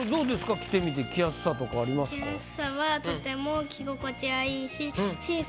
着てみて着やすさとかありますか？